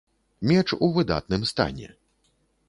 Меч у выдатным стане.